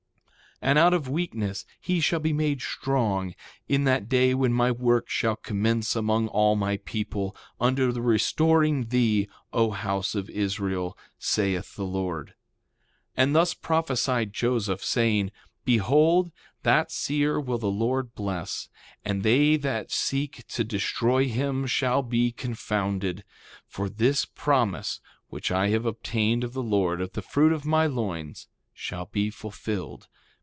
3:13 And out of weakness he shall be made strong, in that day when my work shall commence among all my people, unto the restoring thee, O house of Israel, saith the Lord. 3:14 And thus prophesied Joseph, saying: Behold, that seer will the Lord bless; and they that seek to destroy him shall be confounded; for this promise, which I have obtained of the Lord, of the fruit of my loins, shall be fulfilled.